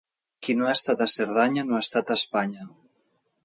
Qui no ha estat a Cerdanya no ha estat a Espanya.